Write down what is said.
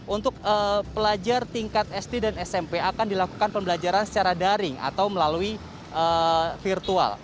untuk pelajar tingkat sd dan smp akan dilakukan pembelajaran secara daring atau melalui virtual